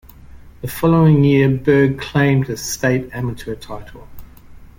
The following year, Berg claimed a state amateur title.